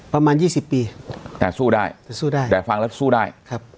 ประมาณยี่สิบปีแต่สู้ได้แต่สู้ได้แต่ฟังแล้วสู้ได้ครับ